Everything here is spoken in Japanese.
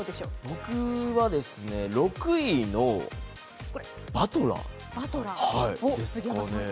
僕は６位のバトラーですかね。